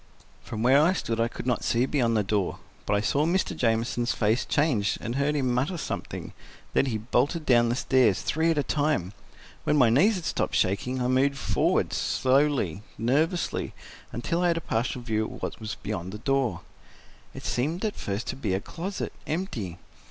From where I stood I could not see beyond the door, but I saw Mr. Jamieson's face change and heard him mutter something, then he bolted down the stairs, three at a time. When my knees had stopped shaking, I moved forward, slowly, nervously, until I had a partial view of what was beyond the door. It seemed at first to be a closet, empty.